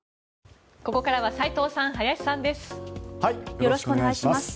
よろしくお願いします。